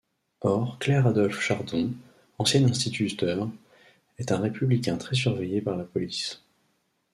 Or Clair Adolphe Chardon, ancien instituteur, est un républicain très surveillé par la police.